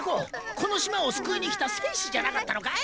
この島を救いに来た戦士じゃなかったのかい？